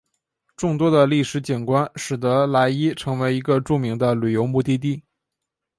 众多的历史景观使得莱伊成为一个著名的旅游目的地。